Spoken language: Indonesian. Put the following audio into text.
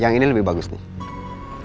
yang ini lebih bagus nih